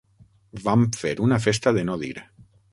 Vam fer una festa de no dir.